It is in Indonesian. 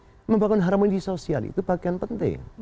jadi membangun harmoni sosial itu bagian penting